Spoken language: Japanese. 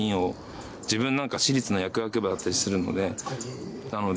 自分なんか私立の薬学部だったりするのでなので。